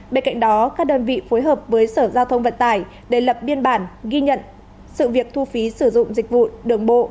bên cạnh đó các đơn vị phối hợp với sở giao thông vận tải để lập biên bản ghi nhận sự việc thu phí sử dụng dịch vụ đường bộ